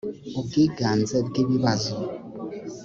ubwiganze bw ibibazo